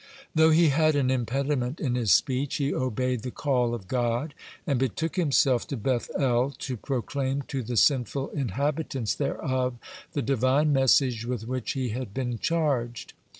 Though he had an impediment in his speech, (25) he obeyed the call of God, and betook himself to Beth el to proclaim to the sinful inhabitants thereof the Divine message with which he had been charged.